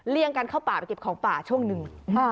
เลี่ยงกันเข้าป่าไปกิดของป่าช่วงหนึ่ง